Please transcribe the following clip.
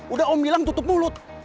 udah om bilang tutup mulut